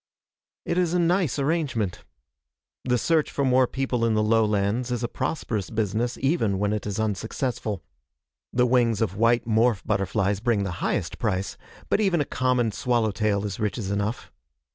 It is a nice arrangement. The search for more people in the lowlands is a prosperous business even when it is unsuccessful. The wings of white morph butterflies bring the highest price, but even a common swallow tail is riches enough.